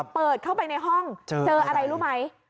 เปิดเข้าไปในห้องเจออะไรรู้ไหม